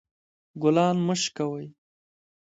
ګلان مه شکولوئ